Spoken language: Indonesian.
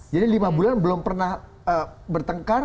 jadi lima bulan belum pernah bertengkar